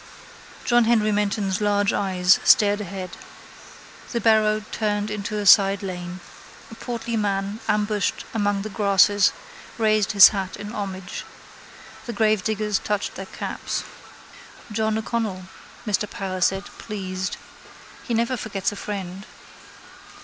John Henry Menton's large eyes stared ahead. The barrow turned into a side lane. A portly man, ambushed among the grasses, raised his hat in homage. The gravediggers touched their caps. —John O'Connell, Mr Power said pleased. He never forgets a friend.